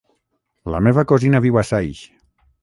La meva cosina viu a Saix.